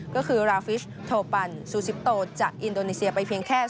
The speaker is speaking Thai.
ก็คือราฟิชโทปันซูซิปโตจากอินโดนีเซียไปเพียงแค่